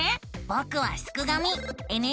ぼくはすくがミ。